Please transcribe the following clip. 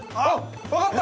◆分かった！